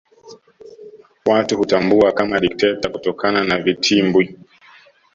Watu hutambua kama dikteta kutokana na vitimbwi